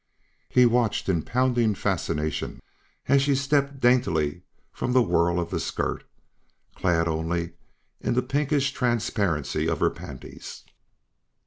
He watched in pounding fascination as she stepped daintily from the whorl of the skirt, clad only in the pinkish transparency of her panties.